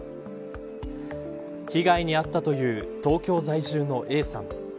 被害に遭ったという東京在住のＡさん。